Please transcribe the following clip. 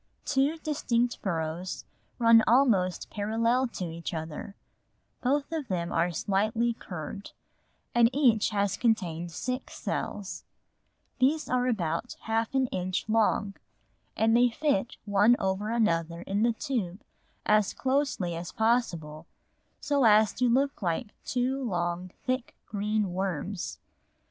Two distinct burrows run almost parallel to each other; both of them are slightly curved and each has contained six cells; these are about half an inch long, and they fit one over another in the tube as closely as possible so as to look like two long thick green worms.